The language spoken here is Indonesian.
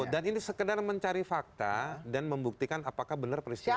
dan ini sekedar mencari fakta dan membuktikan apakah benar peristiwanya